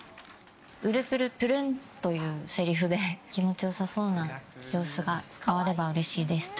うるぷるぷるんというせりふで、気持ちよさそうな様子が伝わればうれしいです。